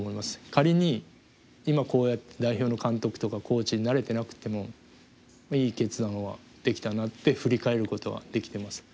仮に今こうやって代表の監督とかコーチになれてなくてもいい決断はできたなって振り返ることはできてます。